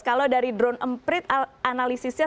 kalau dari drone emprit analisisnya